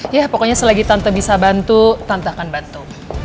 ya pokoknya selagi tante bisa bantu tanpa akan bantu